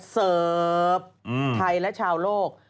เสิร์ฟไทยและชาวโลก